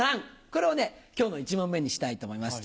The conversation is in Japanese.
これをね、きょうの１問目にしたいと思います。